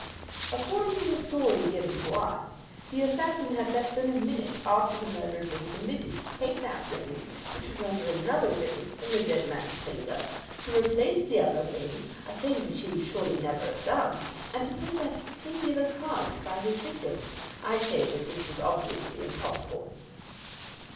According to the story given to us, the assassin had less than a minute after the murder had been committed to take that ring, which was under another ring, from the dead man's finger, to replace the other ring a thing which he would surely never have done and to put that singular card beside his victim. I say that this was obviously impossible.